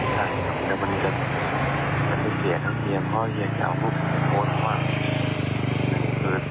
ใช่มันเกิดเหตุเกียรติภาพเกี่ยวเกี่ยวแย่งปภูมิโทษความ